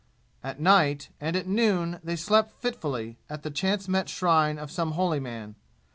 At night and at noon they slept fitfully at the chance met shrine of some holy man.